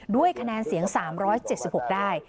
ด้วยคะแนนเสียง๓๗๖ได้